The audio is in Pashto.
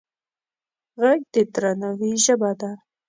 غږ د درناوي ژبه ده